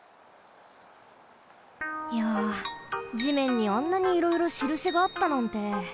いや地面にあんなにいろいろしるしがあったなんて。